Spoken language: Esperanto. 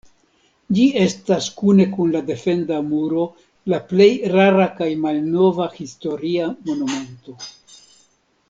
Ĝi estas kune kun la defenda muro la plej rara kaj malnova historia monumento.